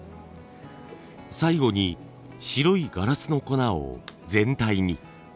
最後に白いガラスの粉を全体に。